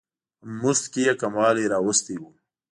په مزد کې یې کموالی راوستی و.